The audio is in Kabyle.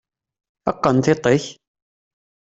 Qqen tiṭ-ik!